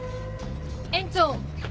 園長。